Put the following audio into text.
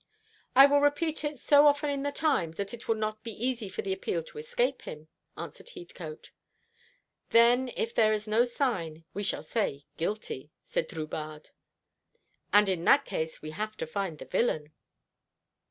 "I will repeat it so often in the Times that it will not be easy for the appeal to escape him," answered Heathcote. "Then if there is no sign, we shall say guilty," said Drubarde. "And in that case we have to find the villain."